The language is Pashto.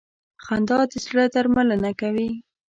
خندا د زړه درملنه کوي.